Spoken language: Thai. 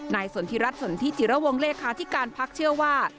สนทิรัฐสนทิจิระวงเลขาธิการพักเชื่อว่า